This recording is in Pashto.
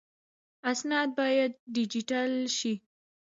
اسناد باید ډیجیټل شي